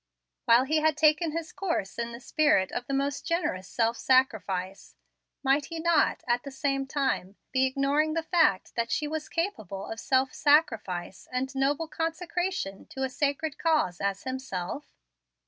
While he had taken his course in the spirit of the most generous self sacrifice, might he not, at the same time, be ignoring the fact that she was as capable of self sacrifice and noble consecration to a sacred cause as himself?